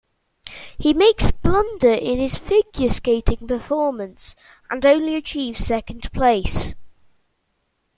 He makes a blunder in his figure skating performance and only achieves second place.